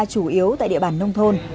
chủ yếu tại địa bàn nông thôn